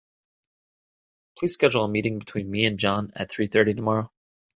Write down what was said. Please schedule a meeting between me and John at three thirty tomorrow.